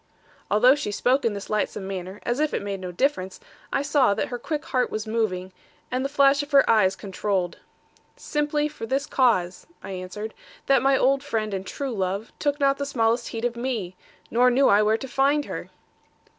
Although she spoke in this lightsome manner, as if it made no difference, I saw that her quick heart was moving, and the flash of her eyes controlled. 'Simply for this cause, I answered, 'that my old friend and true love, took not the smallest heed of me. Nor knew I where to find her.'